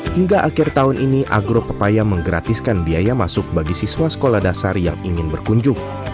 hingga akhir tahun ini agro pepaya menggratiskan biaya masuk bagi siswa sekolah dasar yang ingin berkunjung